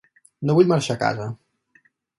Nu vull marxar a casa.